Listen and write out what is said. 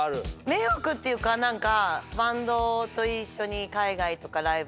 迷惑っていうか何か。